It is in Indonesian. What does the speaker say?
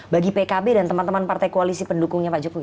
bagi pkb dan teman teman partai koalisi pendukungnya pak jokowi